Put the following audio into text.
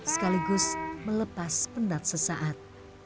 sekaligus melepas pendat sesaat